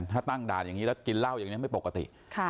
ถ้าตั้งด่านอย่างนี้แล้วกินเหล้าอย่างนี้ไม่ปกติ